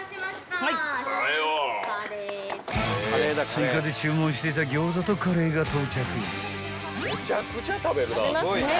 ［追加で注文してた餃子とカレーが到着］